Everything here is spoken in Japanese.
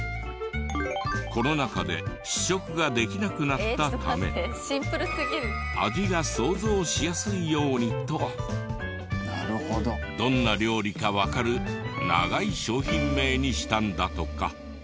コロナ禍で試食ができなくなったため味が想像しやすいようにとどんな料理かわかる長い商品名にしたんだとか。